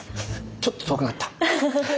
ちょっと遠くなった！